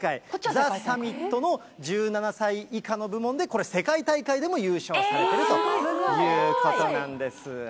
ザ・サミットの１７歳以下の部門でこれ、世界大会でも優勝されているということなんです。